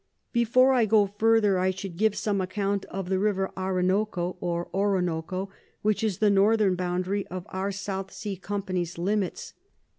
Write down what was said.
Before I go further, I shall give some account of the River Aranoca or Oronoco, which is the Northern Boundary of our South Sea Company's Limits.